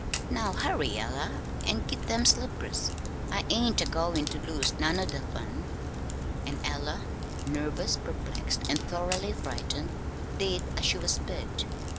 Now hurry, Ella, an' git them slippers. I ain't a goin' to lose none o' the fun!" And Ella, nervous, perplexed, and thoroughly frightened, did as she was bid.